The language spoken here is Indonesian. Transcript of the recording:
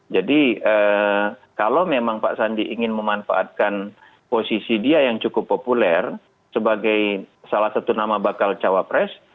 jadi kalau memang pak sandi ingin memanfaatkan posisi dia yang cukup populer sebagai salah satu nama bakal cawapres